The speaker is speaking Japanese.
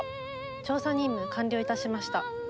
調査任務完了いたしました。